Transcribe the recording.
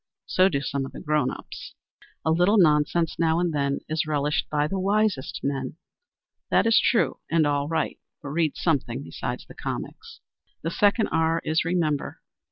So do some of the grownups. "A little nonsense now and then, Is relished by the wisest men." That is true, and all right, but read something beside the comics. The second R is Remember.